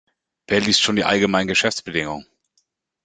Wer liest schon die allgemeinen Geschäftsbedingungen?